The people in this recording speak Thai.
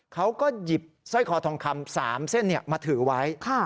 เขาก็หยิบสร้อยคอทองคำ๓เส้นมาถือไว้